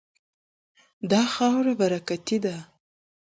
دا خاوره برکتي ده.